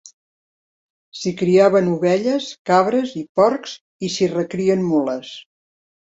S'hi criaven ovelles, cabres i porcs, i s'hi recrien mules.